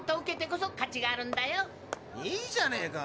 いいじゃねえか。